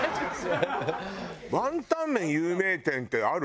ワンタン麺有名店ってある？